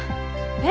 えっ？